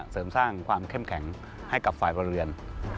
เสริมสร้างความเข้มแข็งให้กับฝ่ายพลเรือน